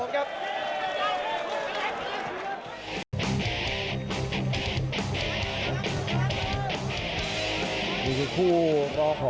โอ้โหต่อกับทีมซ้ายโอ้โหโอ้โห